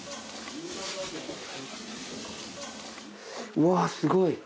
うわすごい。